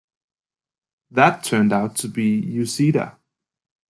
That turned out to be Uceda.